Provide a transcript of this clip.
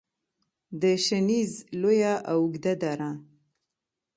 د شنیز لویه او اوږده دره